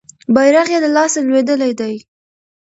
بیرغ یې له لاسه لویدلی دی.